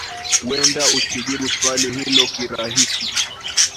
huenda usijibu swali hilo kirahisi